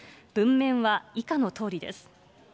文面は以下のとおりです。